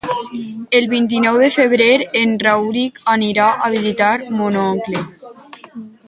El vint-i-nou de febrer en Rauric anirà a visitar mon oncle.